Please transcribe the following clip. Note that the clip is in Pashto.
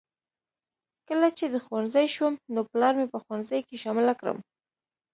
کله چې د ښوونځي شوم نو پلار مې په ښوونځي کې شامله کړم